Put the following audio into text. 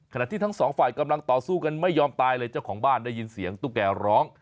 ที่ทั้งสองฝ่ายกำลังต่อสู้กันไม่ยอมตายเลยเจ้าของบ้านได้ยินเสียงตุ๊กแก่ร้อง